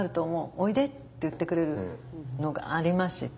おいでって言ってくれるのがありました。